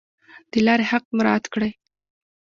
د لارې حق مراعات کړئ